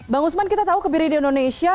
bang usman kita tahu kebiri di indonesia